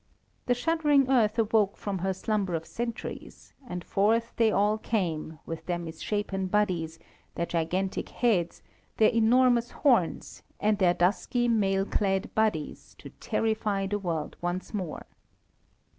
The shuddering earth awoke from her slumber of centuries, and forth they all came, with their misshapen bodies, their gigantic heads, their enormous horns, and their dusky, mail clad bodies, to terrify the world once more.